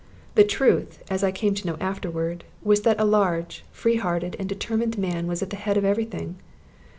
The truth, as I came to know afterward, was that a large, free hearted, and determined man was at the head of every thing.